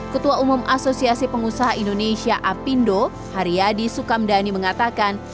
ketua umum asosiasi pengusaha indonesia apindo haryadi sukamdhani mengatakan